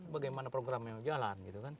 bagaimana programnya berjalan